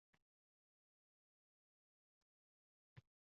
– Qozonda pishiriladigan dimlama